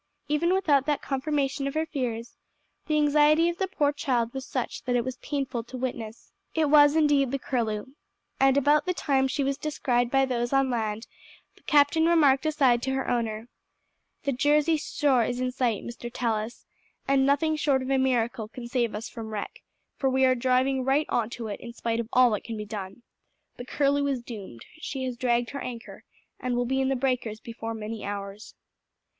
Even without that confirmation of her fears, the anxiety of the poor child was such that it was painful to witness. It was indeed the Curlew, and about the time she was descried by those on land the captain remarked aside to her owner, "The Jersey shore is in sight, Mr. Tallis, and nothing short of a miracle can save us from wreck, for we are driving right on to it in spite of all that can be done. The Curlew is doomed, she has dragged her anchor, and will be in the breakers before many hours."